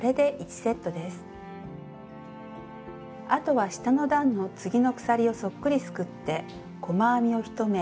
あとは下の段の次の鎖をそっくりすくって細編みを１目。